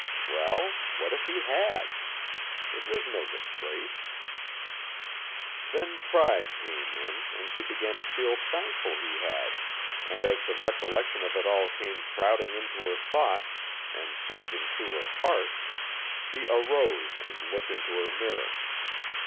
Well, what if he had? It was no disgrace. Then pride came in and she began to feel thankful he had, and as the recollection of it all came crowding into her thoughts and surging through her heart, she arose and looked into her mirror.